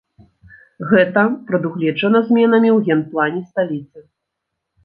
Гэта прадугледжана зменамі ў генплане сталіцы.